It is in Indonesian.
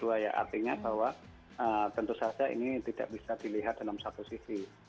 artinya bahwa tentu saja ini tidak bisa dilihat dalam satu sisi